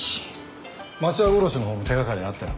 町田殺しの方も手掛かりあったよ。